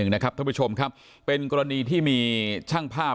ท่านผู้ชมครับเป็นกรณีที่มีช่างภาพ